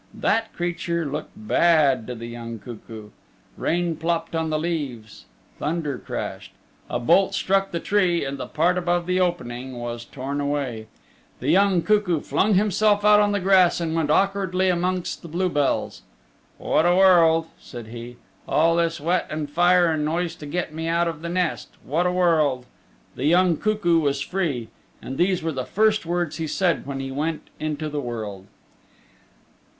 That creature looked bad to the young cuckoo. Rain plopped on the leaves. Thunder crashed. A bolt struck the tree, and the part above the opening was torn away. The young cuckoo flung himself out on the grass and went awkwardly amongst the blue bells. "What a world," said he. "All this wet and fire and noise to get me out of the nest. What a world!" The young cuckoo was free, and these were the first words he said when he went into the world.